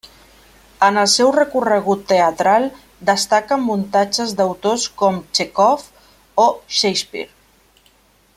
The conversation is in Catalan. En el seu recorregut teatral destaquen muntatges d'autors com Txékhov o Shakespeare.